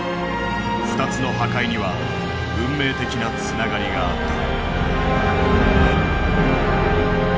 ふたつの破壊には運命的なつながりがあった。